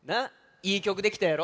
いいきょくできたやろ。